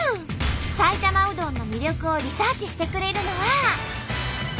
埼玉うどんの魅力をリサーチしてくれるのは。